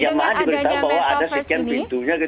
yang mahal diberitahu bahwa ada sekian pintunya gitu